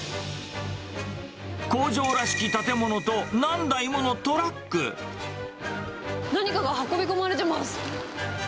工場らしき建物と、何台もの何かが運び込まれてます。